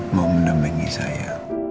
mau menemengi saya